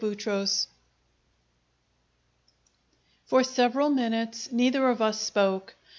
Chapter Nine For several minutes neither of us spoke.